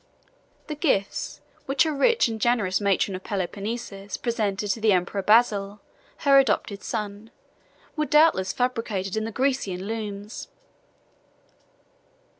The gifts which a rich and generous matron of Peloponnesus presented to the emperor Basil, her adopted son, were doubtless fabricated in the Grecian looms.